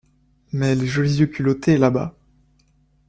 Mais les jolis yeux culottés, là-bas!